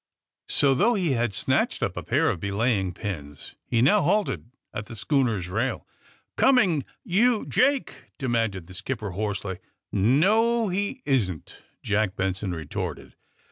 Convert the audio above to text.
So, thongh he had snatched np a pair of belaying pins, he now halted at the schooner's Tail. Coming — yon, Jake!" demanded the skip per hoarsely. '*No; he isn't," Jack Benson retorted.